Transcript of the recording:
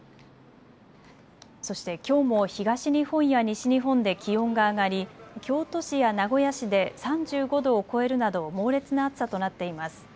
そしてきょうも東日本や西日本で気温が上がり京都市や名古屋市で３５度を超えるなど猛烈な暑さとなっています。